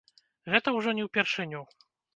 Гэта ўжо не ўпершыню.